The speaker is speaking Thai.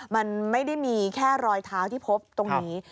มันไม่ได้มีแค่รอยเท้าที่พบตรงนี้